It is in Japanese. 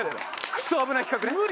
クソ危ない企画ね。